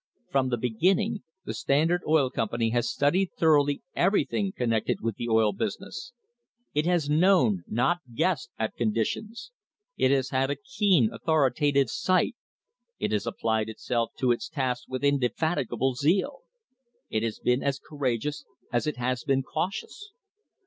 From the beginning the Standard Oil Company has studied thoroughly everything connected with the oil business. It has known, not guessed at conditions. It has had a keen authoritative sight. It has applied itself to its tasks with indefatigable zeal. It has been as cour ageous as it has been cautious.